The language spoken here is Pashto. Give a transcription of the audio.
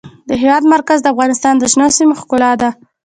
د هېواد مرکز د افغانستان د شنو سیمو ښکلا ده.